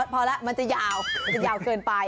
พอแล้วมันจะยาวเยาว์เกินไป